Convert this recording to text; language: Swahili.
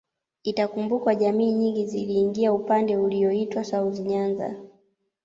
Itakumbukwa jamii nyingi ziliingia upande ulioitwa South Nyanza